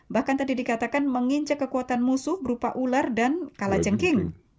bahkan tadi dikatakan menginjak kekuatan musuh berupa ular dan kalajengking